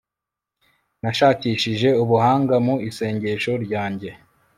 nashakishije ubuhanga mu isengesho ryanjye